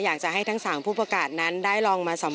อยากจะให้ทั้ง๓ผู้ประกาศนั้นได้ลองมาสัมผัส